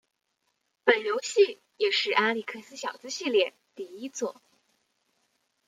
本游戏也是阿历克斯小子系列第一作。